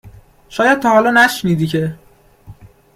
شاید تا حالا نشنیدی که